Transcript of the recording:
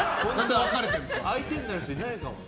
相手になる人いないかもな。